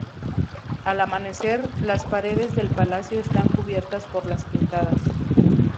Al amanecer, las paredes del palacio están cubiertas por las pintadas.